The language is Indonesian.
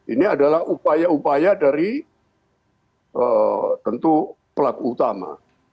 ini adalah upaya upaya dari tentu pelaku utama